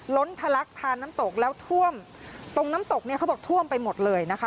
้นทะลักทานน้ำตกแล้วท่วมตรงน้ำตกเนี่ยเขาบอกท่วมไปหมดเลยนะคะ